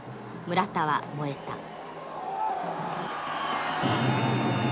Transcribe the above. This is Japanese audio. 村田は燃えた。